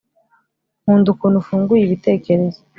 nkunda ukuntu ufunguye ibitekerezo